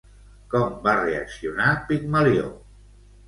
Com va reaccionar Pigmalió?